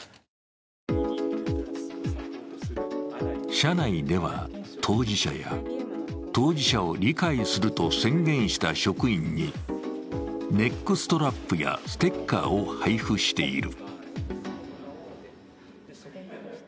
社内では当事者や当事者を理解すると宣言した職員に、ネックストラップやステッカーを配布している。